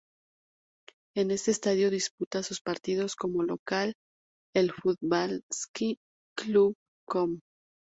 En este estadio disputa sus partidos como local el Fudbalski Klub Kom.